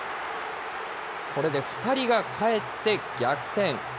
これで２人がかえって逆転。